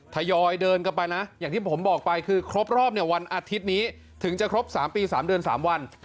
ทยอยเดินกลับไปนะอย่างที่ผมบอกไปคือครบรอบเนี่ยวันอาทิตย์นี้ถึงจะครบ๓ปี๓เดือน๓วัน